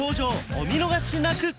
お見逃しなく！